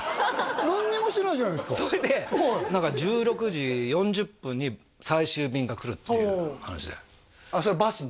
何にもしてないじゃないですかそれで何か１６時４０分に最終便が来るという話でああそれバスの？